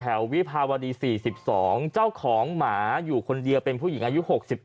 วิภาวดี๔๒เจ้าของหมาอยู่คนเดียวเป็นผู้หญิงอายุ๖๑